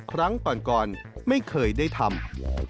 ครั้งก่อนไม่เคยได้ทำ